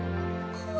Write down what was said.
こう。